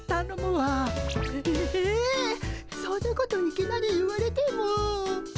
そんなこといきなり言われても。